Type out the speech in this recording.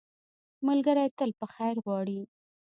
ملګری تل په خیر غواړي